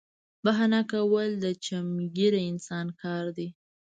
بهانه کول د چمګیره انسان کار دی